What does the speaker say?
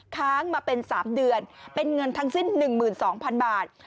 ค้างมาเป็น๓เดือนเป็นเงินทั้งสิ้น๑๒๐๐๐บาท